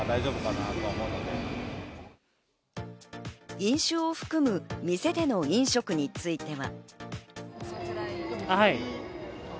飲酒を含む、店での飲食については。